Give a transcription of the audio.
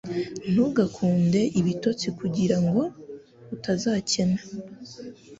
Ntugakunde ibitotsi kugira ngo utazakena